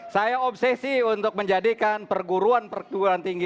saya obsesi untuk menjadikan perguruan perguruan tinggi